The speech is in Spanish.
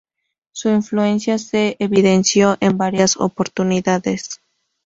Su influencia se evidenció en varias oportunidades.